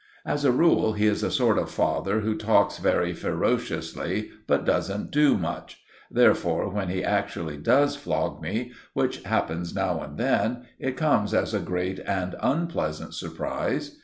As a rule, he is a sort of father who talks very ferociously but doesn't do much; therefore, when he actually does flog me, which happens now and then, it comes as a great and unpleasant surprise.